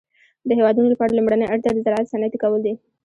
د هيوادونو لپاره لومړنۍ اړتيا د زراعت صنعتي کول دي.